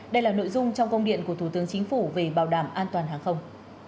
đây là nội dung trong công điện của thủ tướng chính phủ về bảo đảm an toàn hàng không